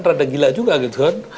rada gila juga gitu kan